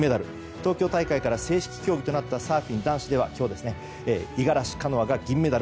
東京大会から正式競技となったサーフィン男子では五十嵐カノアが銀メダル。